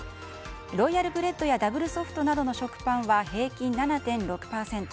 ロイヤルブレッドやダブルソフトなどの食パンは平均７．６％。